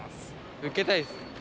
受けたいですね。